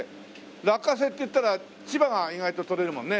落花生っていったら千葉が意外ととれるもんね。